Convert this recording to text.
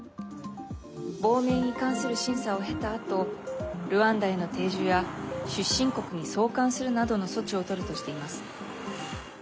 亡命に関する審査を経たあとルワンダへの定住や出身国に送還するなどの措置をとるとしています。